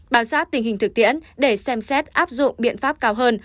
bám sát tình hình thực tiễn để xem xét áp dụng biện pháp cao hơn